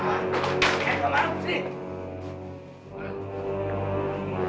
jangan kemaru sini